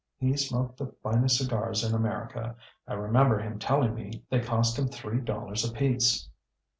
He smoked the finest cigars in America. I remember him telling me they cost him three dollars apiece."